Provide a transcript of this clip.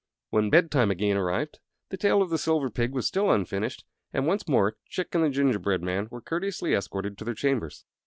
When bedtime again arrived the tale of the Silver Pig was still unfinished, and once more Chick and the gingerbread man were courteously escorted to their chambers.